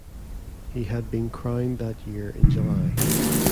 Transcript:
He had been crowned that year in July.